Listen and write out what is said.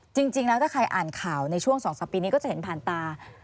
จริงแล้วถ้าใครอ่านข่าวในช่วง๒๓ปีนี้ก็จะเห็นผ่านตา